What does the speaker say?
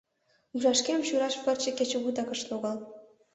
Умшашкем шӱраш пырче кечыгутак ыш логал.